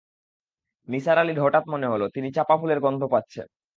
নিসার আলির হঠাৎ মনে হলো, তিনি চাঁপা ফুলের গন্ধ পাচ্ছেন।